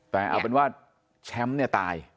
แต่เอาเป็นว่าแชมป์เนี่ยตาย